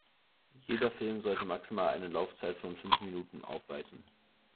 Jeder Film sollte maximal eine Laufzeit von fünf Minuten aufweisen.